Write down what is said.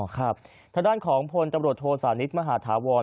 อ๋อครับทะดันของพลตำรวจโศนิษฐ์มหาธาวร